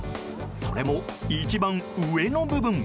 それも一番上の部分。